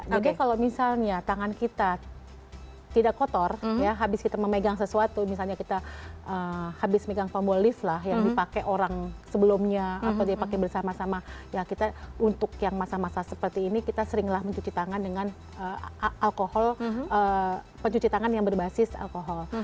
jadi kalau misalnya tangan kita tidak kotor ya habis kita memegang sesuatu misalnya kita habis memegang pembuli lah yang dipakai orang sebelumnya atau dipakai bersama sama ya kita untuk yang masa masa seperti ini kita seringlah mencuci tangan dengan alkohol pencuci tangan yang berbasis alkohol